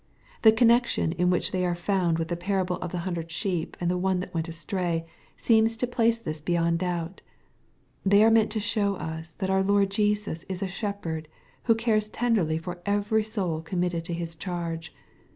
The connection in which they are found with the parable of the hundred sheep and one that went astray, seems to place this beyond doubt. They are meant to show us that our Lord Jesus is a Shepherd, who cares tenderly for every soul committed to His charge.